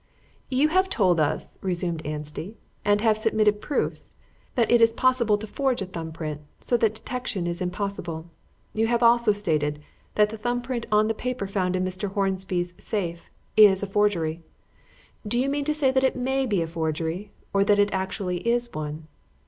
"You have told us," resumed Anstey, "and have submitted proofs, that it is possible to forge a thumb print so that detection is impossible. You have also stated that the thumb print on the paper found in Mr. Hornby's safe is a forgery. Do you mean that it may be a forgery, or that it actually is one?"